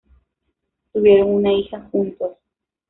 Tuvieron una hija juntos.